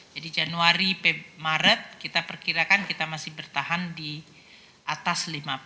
jadi januari maret kita perkirakan kita masih bertahan di atas lima